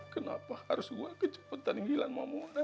kenapa harus gua kejepetan ngilang mamona